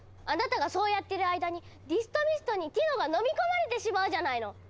あなたがそうやってる間にディストミストにティノがのみ込まれてしまうじゃないの！